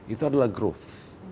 itu adalah growth